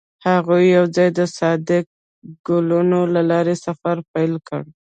هغوی یوځای د صادق ګلونه له لارې سفر پیل کړ.